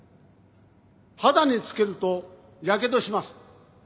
肌につけるとやけどします。